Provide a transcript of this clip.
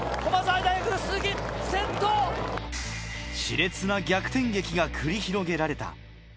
熾烈な逆転劇が繰り広げられた。